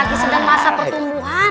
lagi sedang masa pertumbuhan